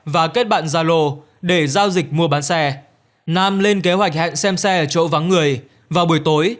và kết bạn gia lô để giao dịch mua bán xe nam lên kế hoạch hẹn xem xe ở chỗ vắng người vào buổi tối